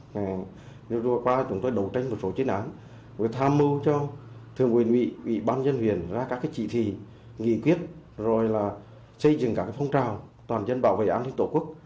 trong thời gian qua chúng tôi đấu tranh một số chiến án tham mưu cho thường quyền ủy ban dân huyện ra các trị thị nghị quyết xây dựng các phong trào toàn dân bảo vệ an ninh tổ quốc